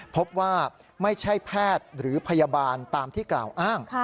พบว่าไม่ใช่แพทย์หรือพยาบาลตามที่กล่าวอ้าง